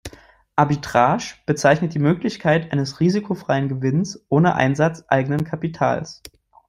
Arbitrage bezeichnet die Möglichkeit eines risikofreien Gewinns ohne Einsatz eigenen Kapitals.